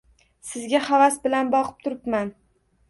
Sizga havas bilan boqib turibman